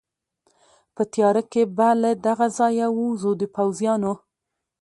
په تېاره کې به له دغه ځایه ووځو، د پوځیانو.